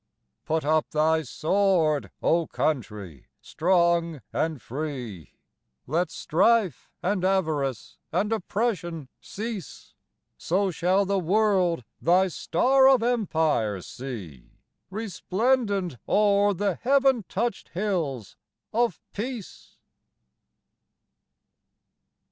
Put up thy sword, O Country, strong and free, Let strife and avarice and oppression cease; So shall the world thy Star of Empire see Resplendent o'er the heaven touched hills of Peace.